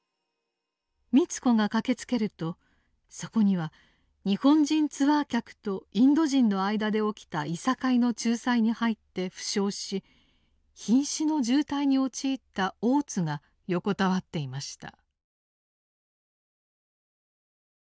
美津子が駆けつけるとそこには日本人ツアー客とインド人の間で起きたいさかいの仲裁に入って負傷し瀕死の重体に陥った大津が横たわっていました。